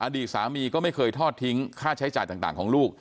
อดีตสามีก็ไม่เคยทอดทิ้งค่าใช้จ่ายต่างของลูก